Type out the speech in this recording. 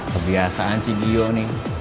kebiasaan sih gio nih